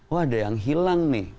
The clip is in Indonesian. oh ada yang hilang nih